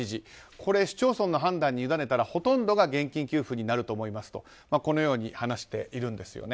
これ、市町村の判断にゆだねたらほとんどが現金給付になると思いますとこのように話しています。